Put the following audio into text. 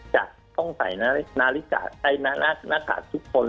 จะต้องใส่หน้ากากทุกคน